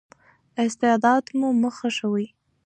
استعداد مو مه خښوئ.